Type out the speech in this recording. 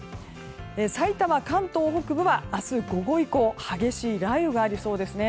さいたま、関東北部は明日午後以降激しい雷雨がありそうです。